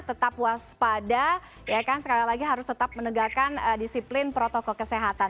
tetap waspada ya kan sekali lagi harus tetap menegakkan disiplin protokol kesehatan